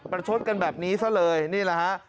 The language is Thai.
ชดกันแบบนี้ซะเลยนี่แหละฮะ